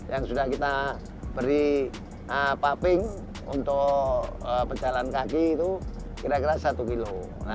yang sudah kita beri papping untuk pejalan kaki itu kira kira satu kilo